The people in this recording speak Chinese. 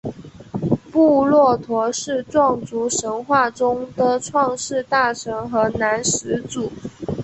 布洛陀是壮族神话中的创世大神和男始祖。